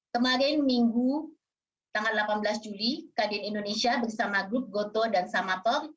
kemarin minggu tanggal delapan belas juli kadin indonesia bersama grup gotoh dan samatong